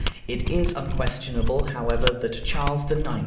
It is unquestionable, however, that Charles IX.